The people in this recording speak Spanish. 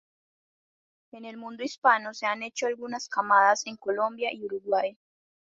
En el mundo hispano se han hecho algunas camadas en Colombia y Uruguay.